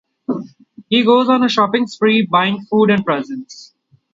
He goes on a shopping spree, buying food and presents.